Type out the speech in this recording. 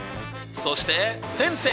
そして先生。